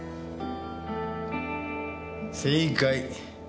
正解。